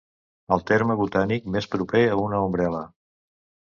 El terme botànic més proper a una ombrel·la.